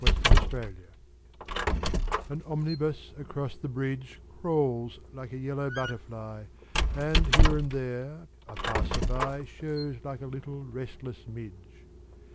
SYMPHONY IN YELLOW AN omnibus across the bridge Crawls like a yellow butterfly And, here and there, a passer by Shows like a little restless midge.